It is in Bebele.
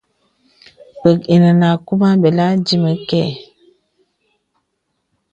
Pə̀k enə akūmà nə bəlà dimi kɛ.